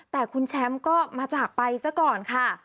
แต่คุณแชมป์ก็มาจากไปซะก่อนค่ะ